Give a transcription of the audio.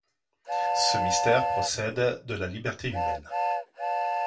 Ce mystère procède de la liberté humaine.